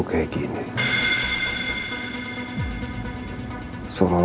jangan lupa kesini